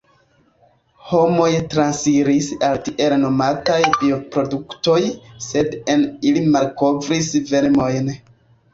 Homoj transiris al tiel nomataj bioproduktoj – sed en ili malkovris vermojn.